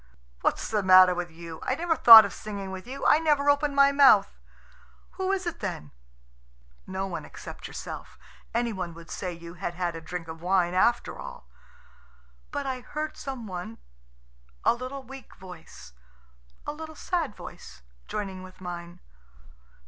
"What's the matter with you? I never thought of singing with you. I never opened my mouth." "Who is it then?" "No one except yourself. Any one would say you had had a drink of wine after all." "But I heard some one ... a little weak voice ... a little sad voice ... joining with mine."